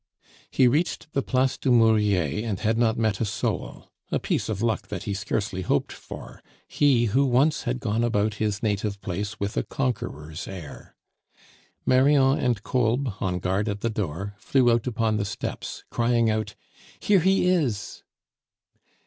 He reached the Place du Murier, and had not met a soul, a piece of luck that he scarcely hoped for, he who once had gone about his native place with a conqueror's air. Marion and Kolb, on guard at the door, flew out upon the steps, crying out, "Here he is!"